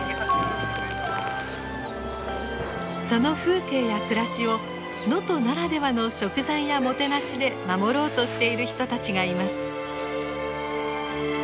その風景や暮らしを能登ならではの食材やもてなしで守ろうとしている人たちがいます。